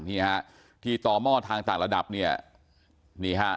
นี่ฮะที่ต่อหม้อทางต่างระดับเนี่ยนี่ฮะ